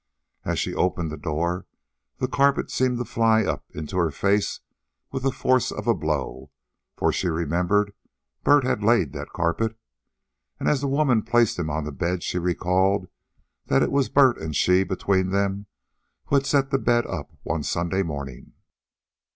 As she opened the door, the carpet seemed to fly up into her face as with the force of a blow, for she remembered Bert had laid that carpet. And as the women placed him on the bed she recalled that it was Bert and she, between them, who had set the bed up one Sunday morning.